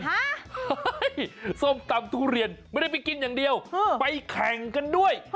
เฮ้ยส้มตำทุเรียนไม่ได้ไปกินอย่างเดียวไปแข่งกันด้วย